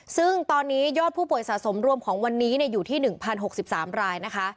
ซึ่งตอนนี้ยอดผู้ป่วยสะสมรวมของวันนี้อยู่ที่๑๐๖๓รายนะคะ